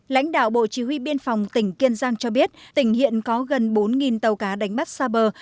lãnh đạo bộ chỉ huy biên phòng tỉnh kiên giang cho biết tỉnh hiện có gần bốn tàu cá đánh bắt xa bờ